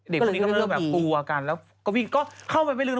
เด็กพวกนี้ก็แบบกลัวกัน